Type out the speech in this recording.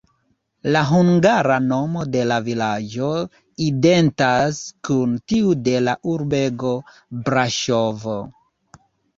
La hungara nomo de la vilaĝo identas kun tiu de la urbego Braŝovo.